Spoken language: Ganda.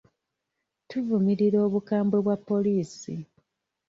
Tuvumirira obukambwe bwa poliisi?